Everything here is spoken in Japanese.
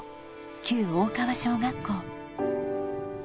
旧大川小学校